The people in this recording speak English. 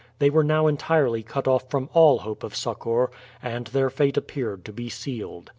They were now entirely cut off from all hope of succour, and their fate appeared to be sealed.